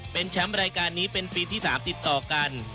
เป็นแชมป์รายการนี้เป็นปีที่๓ติดต่อกัน